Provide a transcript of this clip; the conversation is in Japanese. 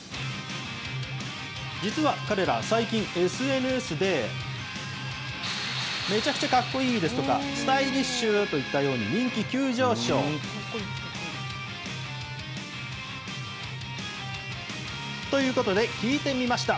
実は彼ら、最近、ＳＮＳで、めちゃくちゃ格好いいですとか、スタイリッシュといったように人気急上昇。ということで、聞いてみました。